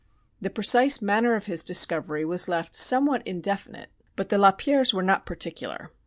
The precise manner of his discovery was left somewhat indefinite, but the Lapierres were not particular.